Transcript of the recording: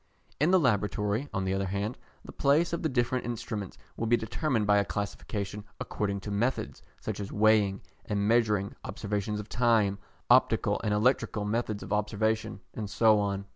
In the laboratory, on the other hand, the place of the different instruments will be determined by a classification according to methods, such as weighing and measuring, observations of time, optical and electrical methods of observation, and so on.